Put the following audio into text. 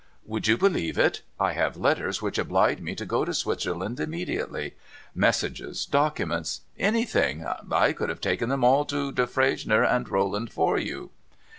Would you believe it ? I have letters which oblige me to go to Switzerland immediately. iNIessages, documents, anything — I could have taken them all to Defresnier and Rolland for you.'